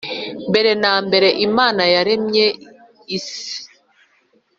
Mbere na mbere imana yaremye isi